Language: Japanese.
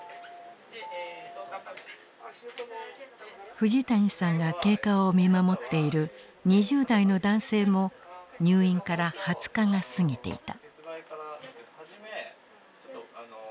藤谷さんが経過を見守っている２０代の男性も入院から２０日が過ぎていた。